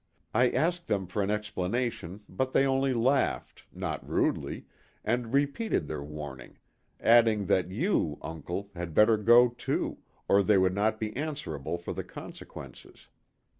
I asked them for an explanation, but they only laughed, not rudely, and repeated their warning, adding that you, uncle, had better go too, or they would not be answerable for the consequences.